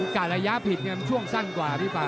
การระยะผิดมันช่วงสั้นกว่าพี่ป่า